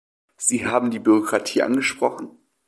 Sie haben die Bürokratie angesprochen.